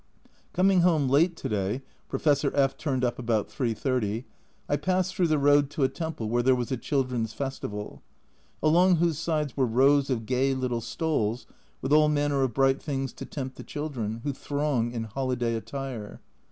Coming home late to day (Professor F turned up about 3.30), I passed through the road to a temple where there was a children's festival, along whose sides were rows of gay little stalls with all manner of bright things to tempt the children, who throng in holiday attire.